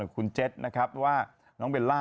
ของคุณเจ็ดนะครับว่า